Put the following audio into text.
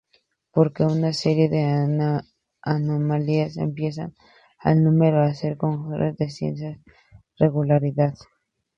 Porque, una serie de anomalías empiezan, al menos, a hacer conjeturar una cierta regularidad.